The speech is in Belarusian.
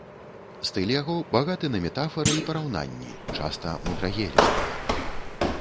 Стыль яго багаты на метафары і параўнанні, часта мудрагелістыя.